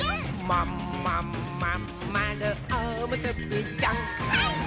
「まんまんまんまるおむすびちゃん」はいっ！